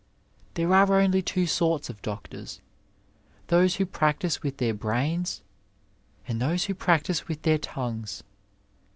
There are only two sorts of doctors ; those who practise with their brains, and those who practise with their tongues.